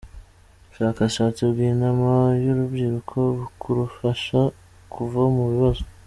Ubushakashatsi bwintama yurubyiruko mukurufasha kuva mu bibazo